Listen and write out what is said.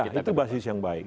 oh ya itu basis yang baik